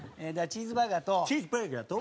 チーズバーガーと？